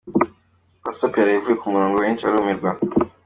WhatsApp yaraye ivuye ku murongo benshi barumirwa.